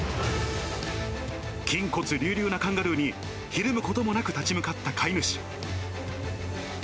筋骨隆々なカンガルーにひるむこともなく立ち向かった飼い主。